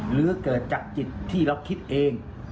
หรือเกิดจากจิตที่เราคิดเอง